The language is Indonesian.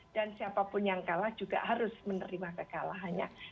dan siapapun yang kalah juga harus menerima kekalahannya